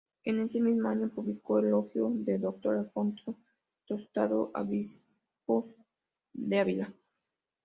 En ese mismo año publicó "Elogio de D. Alfonso Tostado, Obispo de Ávila...".